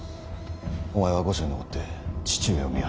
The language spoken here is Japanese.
お前は御所に残って父上を見張れ。